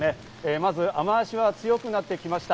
まず雨脚が強くなってきました。